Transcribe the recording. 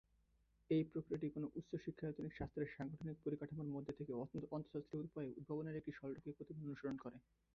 এই প্রক্রিয়াটি কোনও উচ্চশিক্ষায়তনিক শাস্ত্রের সাংগঠনিক পরিকাঠামোর মধ্যে থেকে অন্তঃশাস্ত্রীয় উপায়ে উদ্ভাবনের একটি সরলরৈখিক প্রতিমান অনুসরণ করে।